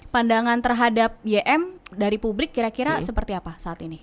pandangan terhadap ym dari publik kira kira seperti apa saat ini